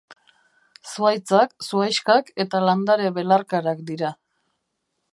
Zuhaitzak, zuhaixkak eta landare belarkarak dira.